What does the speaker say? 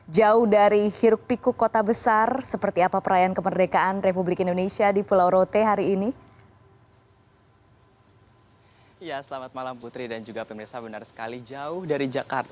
jauh dari hiruk pikuk kota besar seperti apa perayaan kemerdekaan republik indonesia di pulau rote hari ini